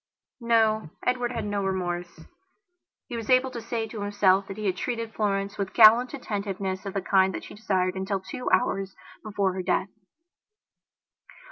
No, Edward had no remorse. He was able to say to himself that he had treated Florence with gallant attentiveness of the kind that she desired until two hours before her death.